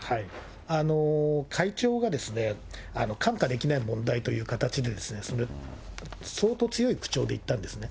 会長は看過できない問題という形で、相当強い口調で言ったんですね。